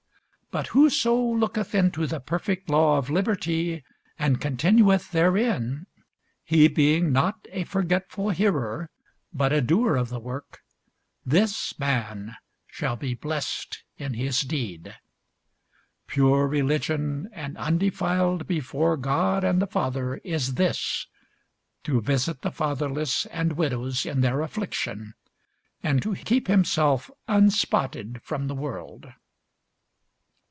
But whoso looketh into the perfect law of liberty, and continueth therein, he being not a forgetful hearer, but a doer of the work, this man shall be blessed in his deed. Pure religion and undefiled before God and the Father is this, To visit the fatherless and widows in their affliction, and to keep himself unspotted from the world.